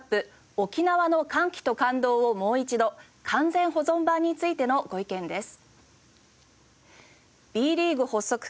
沖縄の歓喜と感動をもう一度完全保存版』についてのご意見です。